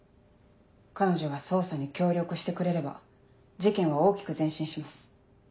彼女が捜査に協力してくれれば事件は大きく前進します。